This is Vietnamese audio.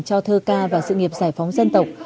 cho thơ ca và sự nghiệp giải phóng dân tộc